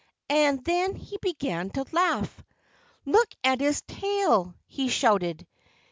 And then he began to laugh. "Look at his tail!" he shouted.